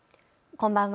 こんばんは。